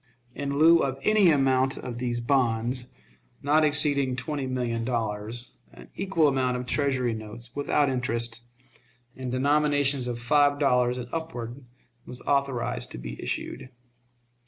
In lieu of any amount of these bonds, not exceeding twenty million dollars, an equal amount of Treasury notes, without interest, in denominations of five dollars and upward, was authorized to be issued.